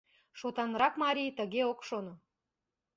Шотанрак марий тыге ок шоно.